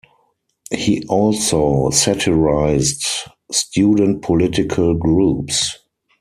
He also satirized student political groups.